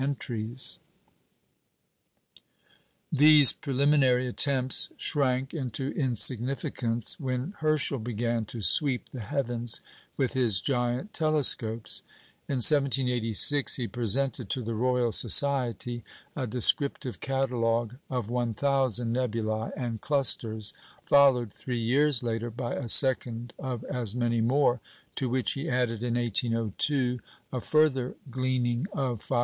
These preliminary attempts shrank into insignificance when Herschel began to "sweep the heavens" with his giant telescopes. In 1786 he presented to the Royal Society a descriptive catalogue of 1,000 nebulæ and clusters, followed, three years later, by a second of as many more; to which he added in 1802 a further gleaning of 500.